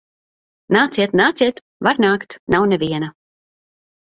Nāciet, nāciet! Var nākt. Nav neviena.